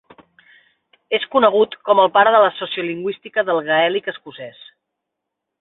És conegut com el pare de la sociolingüística del gaèlic escocès.